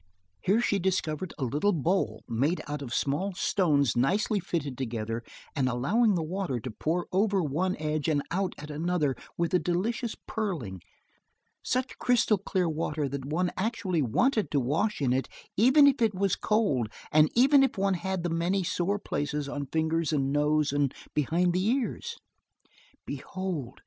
Here she discovered a little bowl, made out of small stones nicely fitted together, and allowing the water to pour over one edge and out at another with a delicious purling such crystal clear water that one actually wanted to wash in it even if it was cold, and even if one had the many sore places on fingers and nose and behind the ears. Behold!